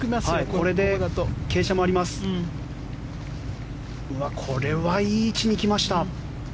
これはいい位置に来ました！